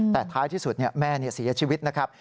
แต่ท้ายที่สุดแม่เสียชีวิตนะครับ